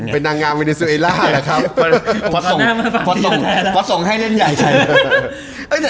เป็นนางงามเวลาซีเฮลล่าหรอครับพอส่งให้เล่นใหญ่